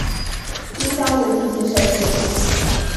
丁香路附近设施